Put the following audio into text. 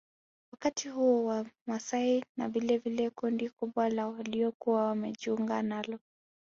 Wakati huo Wamasai na vilevile kundi kubwa la waliokuwa wamejiunga nalo